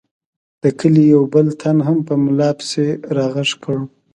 د کلي یو بل تن هم په ملا پسې را غږ کړل.